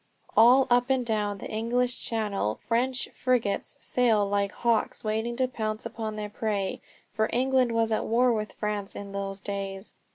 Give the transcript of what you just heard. All up and down the English Channel French frigates sailed like hawks waiting to pounce upon their prey; for England was at war with France in those days.